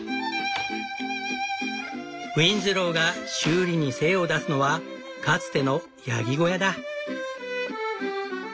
ウィンズローが修理に精を出すのはかつてのヤギ小屋だ。